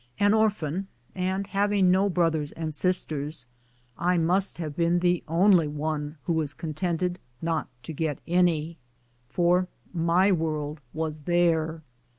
An orplian, and having no brothers and sisters, I must have been the only one who was contented not to get any. For my world was there.